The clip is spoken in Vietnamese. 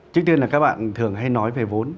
trước tiên là các bạn thường hay nói về vốn